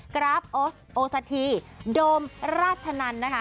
กราฟโอสาธิโดมราชนันต์นะคะ